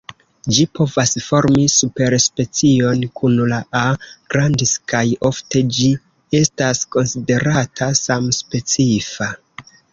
Ĝi povas formi superspecion kun la "A. grandis" kaj ofte ĝi estas konsiderata samspecifa.